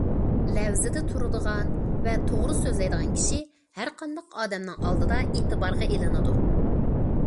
لەۋزىدە تۇرىدىغان ۋە توغرا سۆزلەيدىغان كىشى ھەر قانداق ئادەمنىڭ ئالدىدا ئېتىبارغا ئېلىنىدۇ.